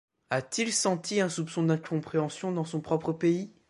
A-t-il senti un soupçon d'incompréhension dans son propre pays?